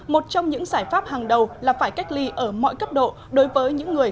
một trong những giải pháp hàng đầu là phải cách ly ở mọi cấp độ đối với những người